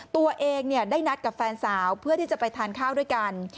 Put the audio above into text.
ตัวเองได้นัดกับแฟนสาวเพื่อที่จะไปทานข้าวด้วยกัน